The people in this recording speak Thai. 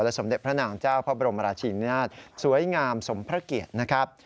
สมเด็จพระนางเจ้าพระบรมราชินินาศสวยงามสมพระเกียรตินะครับ